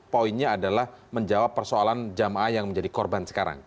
poinnya adalah menjawab persoalan jamaah yang menjadi korban sekarang